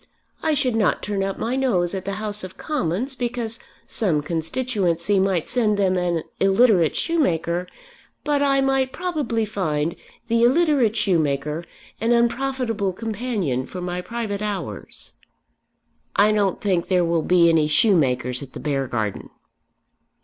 I should not turn up my nose at the House of Commons because some constituency might send them an illiterate shoemaker; but I might probably find the illiterate shoemaker an unprofitable companion for my private hours." "I don't think there will be any shoemakers at the Beargarden."